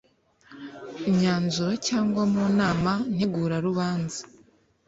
myanzuro cyangwa mu nama ntegurarubanza